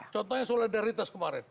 contohnya solidaritas kemarin